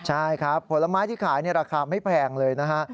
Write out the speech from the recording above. ใช่ครับผลไม้ที่ขายในราคาไม่แพงเลยนะฮะ